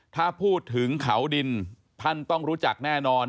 ถ้าพูดถึงเขาดินท่านต้องรู้จักแน่นอน